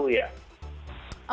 masa depan ya